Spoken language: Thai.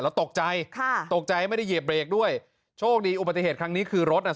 แล้วตกใจค่ะตกใจไม่ได้เหยียบเบรกด้วยโชคดีอุบัติเหตุครั้งนี้คือรถอ่ะ